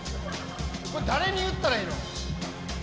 これ誰に言ったらええの？